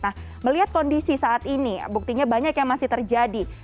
nah melihat kondisi saat ini buktinya banyak yang masih terjadi